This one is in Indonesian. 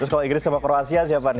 terus kalau inggris sama kruasia siapa nih